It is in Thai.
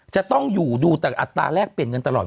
จะต้องอยู่ดูแต่อัตราแรกเปลี่ยนเงินตลอด